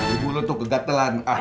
ibu lu tuh kegatelan